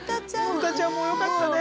ブタちゃんもよかったね。